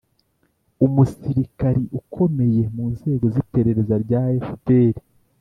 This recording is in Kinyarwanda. umusirikari ukomeye mu nzego z'iperereza rya fpr.